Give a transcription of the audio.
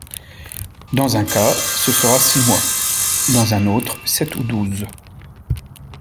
Dans un cas, ce sera six mois ; dans un autre, sept ou douze.